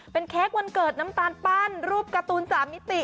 เค้กวันเกิดน้ำตาลปั้นรูปการ์ตูน๓มิติ